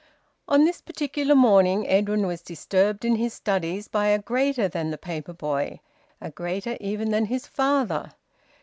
On this particular morning Edwin was disturbed in his studies by a greater than the paper boy, a greater even than his father.